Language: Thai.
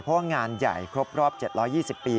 เพราะว่างานใหญ่ครบรอบ๗๒๐ปี